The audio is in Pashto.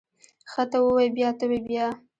ښه ته ووی بيا ته وی بيا.